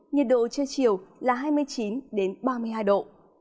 nhiệt độ trưa chiều là hai mươi chín ba mươi hai độ